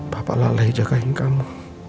papa lalai jagain kamu